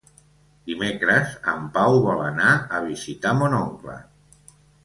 Dimecres en Pau vol anar a visitar mon oncle.